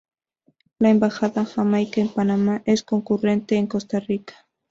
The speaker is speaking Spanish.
La Embajada jamaicana en Panamá es concurrente en Costa Rica.